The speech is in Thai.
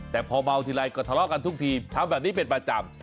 แต่พอเมาทีไรก็ทะเลาะกันทุกทีทำแบบนี้เป็นประจำ